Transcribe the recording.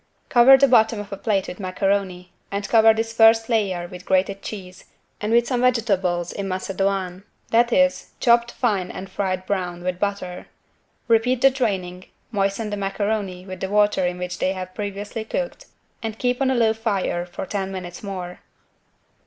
Cover the bottom of a plate with macaroni and cover this first layer with grated cheese and with some vegetables in macédoine, that is, chopped fine and fried brown with butter. Repeat the draining, moisten the macaroni with the water in which they have previously cooked and keep on a low fire for ten minutes more.